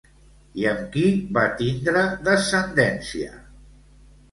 I amb qui va tindre descendència?